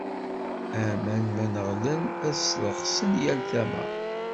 Aman ma neɣlen, ad slexsen yal tama.